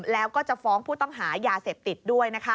แล้วก็จะฟ้องผู้ต้องหายาเสพติดด้วย